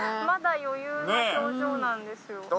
まだ余裕な表情なんですよ。